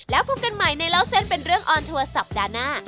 แล้วพบกันใหม่ในเล่าเส้นเป็นเรื่องออนทัวร์สัปดาห์หน้า